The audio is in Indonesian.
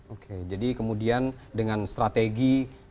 oke jadi kemudian dengan strategi